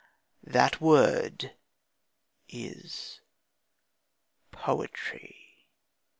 That word is "poetry."